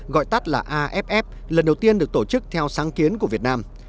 gọi tắt là aff lần đầu tiên được tổ chức theo sáng kiến của việt nam